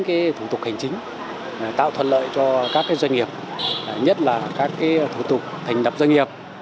các thủ tục hành chính tạo thuận lợi cho các doanh nghiệp nhất là các thủ tục thành đập doanh nghiệp